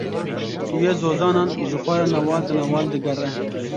Çûye zozanan, ji xwe re newal bi newal digere.